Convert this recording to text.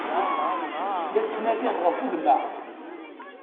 La ttnadiɣ ɣef gma.